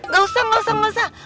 gak usah gak usah gak usah